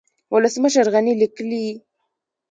ولسمشر غني ليکلي